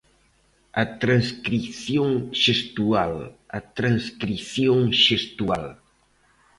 A transcrición xestual, a transcrición xestual.